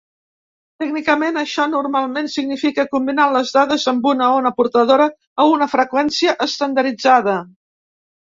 Tècnicament, això normalment significa combinar les dades amb una ona portadora a una freqüència estandarditzada.